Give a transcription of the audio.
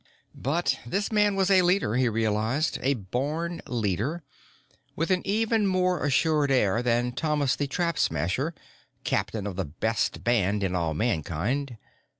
But this man was a leader, he realized, a born leader, with an even more self assured air than Thomas the Trap Smasher, captain of the best band in all Mankind.